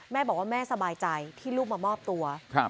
แม่บอกว่าแม่สบายใจที่ลูกมามอบตัว